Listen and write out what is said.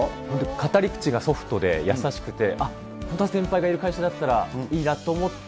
語り口がソフトで、優しくて、こんな先輩がいる会社だったらいいなと思って。